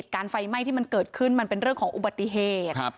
การไฟไหม้ที่มันเกิดขึ้นมันเป็นเรื่องของอุบัติเหตุ